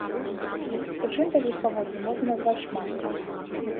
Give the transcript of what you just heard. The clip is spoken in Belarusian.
Прычын такіх паводзін можна назваць шмат.